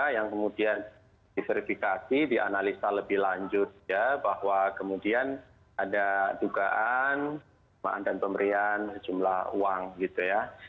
yang kemudian diserifikasi dianalisa lebih lanjut bahwa kemudian ada dugaan pemerintahan dan pemberian jumlah uang gitu ya